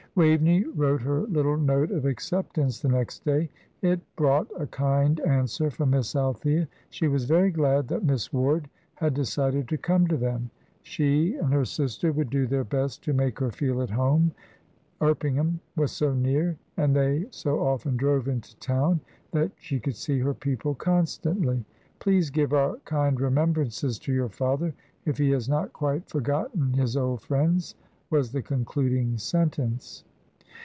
Waveney wrote her little note of acceptance the next day. It brought a kind answer from Miss Althea; she was very glad that Miss Ward had decided to come to them. She and her sister would do their best to make her feel at home. Erpingham was so near, and they so often drove into town, that she could see her people constantly. "Please give our kind remembrances to your father, if he has not quite forgotten his old friends," was the concluding sentence.